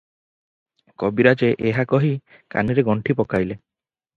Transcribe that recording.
କବିରାଜେ ଏହା କହି କାନିରେ ଗଣ୍ଠି ପକାଇଲେ ।